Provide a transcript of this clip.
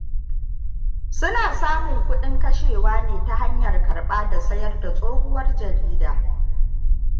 Suna samun kudin kashewa ne ta hanyar karɓa da sayar da tsohuwar jarida.